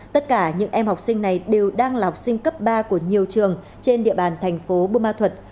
tất cả những em học sinh này đều đang là học sinh cấp ba của nhiều trường trên địa bàn thành phố bù ma thuật